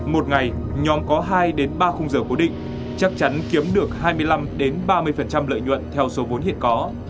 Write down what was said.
một ngày nhóm có hai đến ba khung giờ cố định chắc chắn kiếm được hai mươi năm ba mươi lợi nhuận theo số vốn hiện có